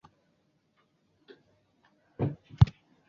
节目亦有听众来信时间的环节。